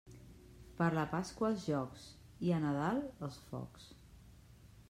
Per la Pasqua els jocs i a Nadal els focs.